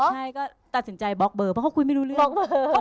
ใช่ก็ตัดสินใจบล็อกเบอร์เพราะเขาคุยไม่รู้เรื่อง